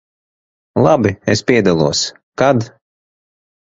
Labi, es piedalos. Kad?